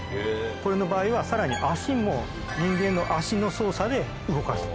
これの場合はさらに足も人間の足の操作で動かす。